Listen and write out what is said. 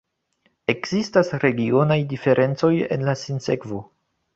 Ekzistas regionaj diferencoj en la sinsekvo.